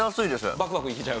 バクバクいけちゃう？